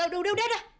aduh udah udah udah